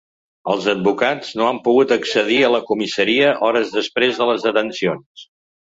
Els advocats no han pogut accedir a la comissaria hores després de les detencions.